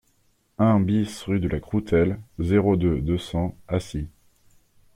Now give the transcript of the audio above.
un BIS rue de la Croutelle, zéro deux, deux cents, Acy